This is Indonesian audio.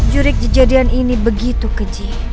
jurik kejadian ini begitu keji